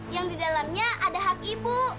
yang didalamnya ada hak ibu